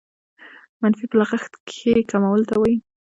منفي په لغت کښي کمولو ته وايي.